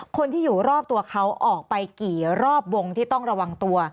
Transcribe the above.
คนที่อยู่รอบตัวเขาออกไปกี่รอบวงที่ต้องระวังตัว